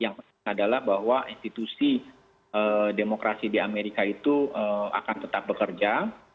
yang penting adalah bahwa institusi demokrasi di amerika itu akan tetap bekerja